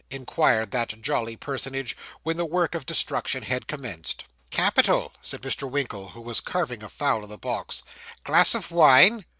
inquired that jolly personage, when the work of destruction had commenced. 'Capital!' said Mr. Winkle, who was carving a fowl on the box. 'Glass of wine?